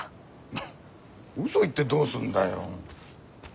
フッ嘘言ってどうすんだよ。